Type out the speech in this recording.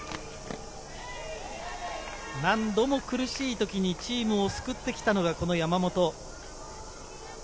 何度も苦しい時にチームを救ってきたのが山本。